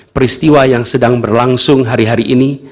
peristiwa yang sedang berlangsung hari hari ini